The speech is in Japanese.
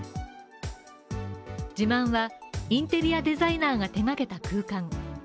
自慢はインテリアデザイナーが手がけた空間。